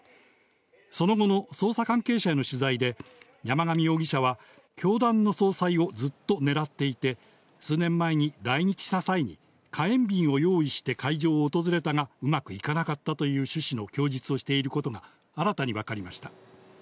その後の捜査関係者への取材で山上容疑者は、教団の総裁をずっと狙っていて、数年前に来日した際に火炎瓶を用意して会場を訪れたがうまくいかなかったという趣旨の供述をしていることが新たに分かりました。